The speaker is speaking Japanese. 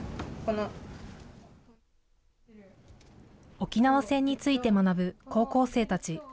沖縄戦について学ぶ高校生たち。